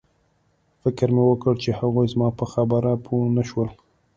فکر مې وکړ چې هغوی زما په خبره پوه نشول